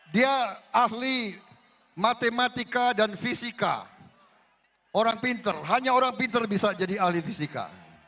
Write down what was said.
dia ahli matematika dan fisika orang pinter hanya orang pintar bisa jadi ahli fisika